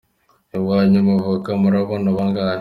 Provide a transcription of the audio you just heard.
Iwanyu muvuka murabana bangahe?